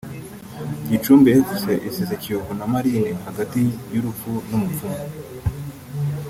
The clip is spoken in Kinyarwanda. Gicumbi fc Isize Kiyovu na Marine hagati y’Urupfu n’Umupfumu